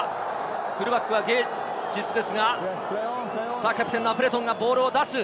フルバックはゲージスですが、アプレトンがボールを出す。